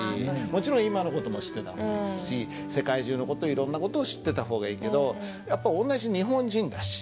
もちろん今の事も知ってた方がいいし世界中の事いろんな事を知ってた方がいいけどやっぱ同じ日本人だし。